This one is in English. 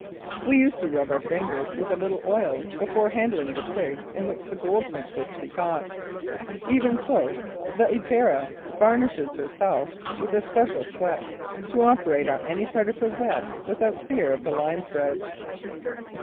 We used to rub our fingers with a little oil before handling the twigs in which the Goldfinch was to be caught; even so the Epeira varnishes herself with a special sweat, to operate on any part of her web without fear of the lime threads.